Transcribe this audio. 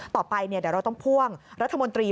ต่อไปเดี๋ยวเราต้องพ่วงรัฐมนตรี